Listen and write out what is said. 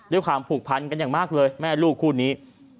ด้วยความผูกพันกันอย่างมากเลยแม่ลูกคู่นี้